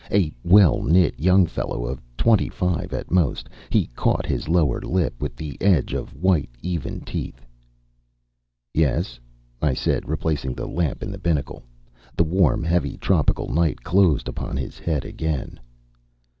A well knit young fellow of twenty five at most. He caught his lower lip with the edge of white, even teeth. "Yes," I said, replacing the lamp in the binnacle. The warm, heavy tropical night closed upon his head again.